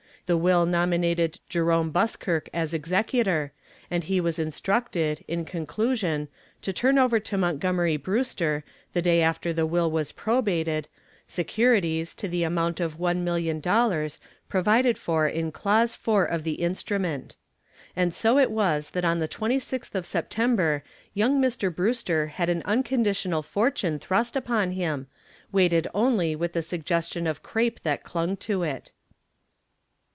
The will nominated Jerome Buskirk as executor, and he was instructed, in conclusion, to turn over to Montgomery Brewster, the day after the will was probated, securities to the amount of one million dollars, provided for in clause four of the instrument. And so it was that on the 26th of September young Mr. Brewster had an unconditional fortune thrust upon him, weighted only with the suggestion of crepe that clung to it.